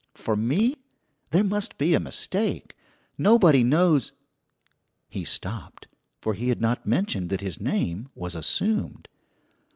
"For me, there must be a mistake! Nobody knows " He stopped, for he had not mentioned that his name was assumed.